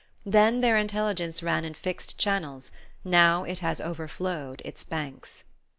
Then their intelligence ran in fixed channels; now it has overflowed its banks.